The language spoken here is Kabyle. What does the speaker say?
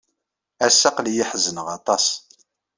Ass-a aql-iyi ḥezneɣ aṭas.